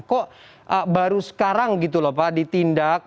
kok baru sekarang gitu loh pak ditindak